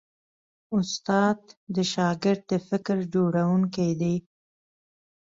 استاد د شاګرد د فکر جوړوونکی دی.